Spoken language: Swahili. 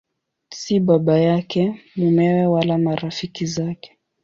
Si baba yake, mumewe wala marafiki zake.